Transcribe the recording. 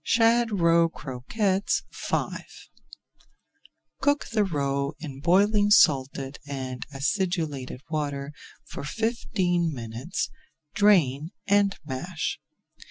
SHAD ROE CROQUETTES V Cook the roe in boiling salted and acidulated water for fifteen minutes, drain, and mash.